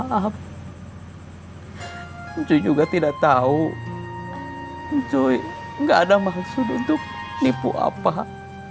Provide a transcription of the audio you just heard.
hai cuy juga tidak tahu cuy enggak ada maksud untuk nipu apok